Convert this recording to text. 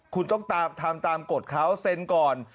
คุณต้องทำตามกฎเขาเซ็นก่อน